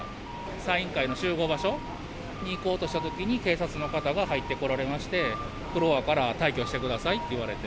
サイン会の集合場所に行こうとしたところに、警察の方が入ってこられまして、フロアから退去してくださいって言われて。